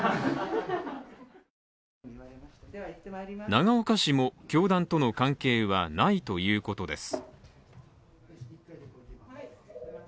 永岡氏も教団との関係はないということです。